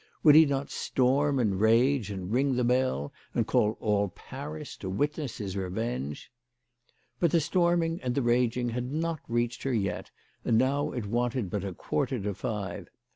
Would he not storm and rage, and ring the bell, and call all Paris to witness his revenge ? But the storming and the raging had not reached her yet, and now it wanted but a quarter to five.